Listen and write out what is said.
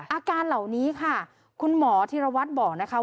อาการเหล่านี้ค่ะคุณหมอธีรวัตรบอกนะคะ